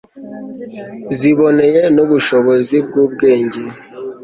ziboneye nubushobozi bwubwenge